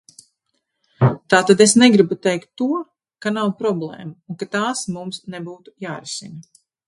Tātad es negribu teikt to, ka nav problēmu un ka tās mums nebūtu jārisina.